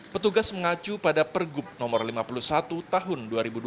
petugas mengacu pada pergub no lima puluh satu tahun dua ribu dua puluh